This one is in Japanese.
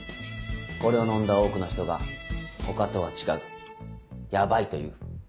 これを飲んだ多くの人が「他とは違う」「ヤバい」と言う。